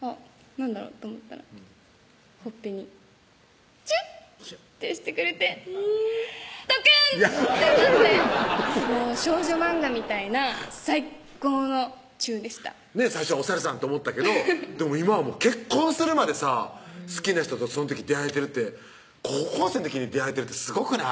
何だろうと思ったらほっぺにチュッてしてくれてトクン！ってなってもう少女マンガみたいな最高のチューでした最初お猿さんと思ったけどでも今は結婚するまでさ好きな人とそん時出会えてるって高校生の時に出会えてるってすごくない？